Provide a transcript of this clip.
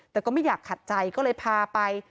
แต่ก็ไม่อยากขัดใจก็เลยพาไป